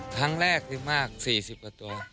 ครั้งแรกที่มาก๔๐กว่าตัว